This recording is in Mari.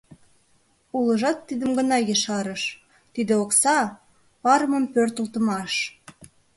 Улыжат тидым гына ешарыш: тиде окса — парымым пӧртылтымаш.